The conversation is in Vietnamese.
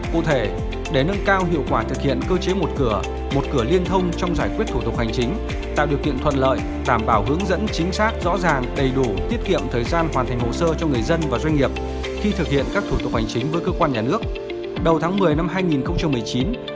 cụ thể để nâng cao hiệu quả thực hiện cơ chế một cửa một cửa liên thông trong giải quyết thủ tục hành chính tạo điều kiện thuận lợi tảm bảo hướng dẫn chính xác rõ ràng đầy đủ tiết kiệm thời gian hoàn thành hồ sơ cho người dân và doanh nghiệp khi thực hiện các thủ tục hành chính với cơ quan nhà nước